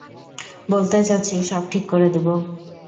বলতে চাচ্ছি, সব ঠিক করে দেব।